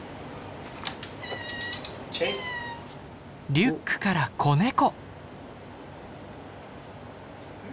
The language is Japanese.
リュックから子ネコ。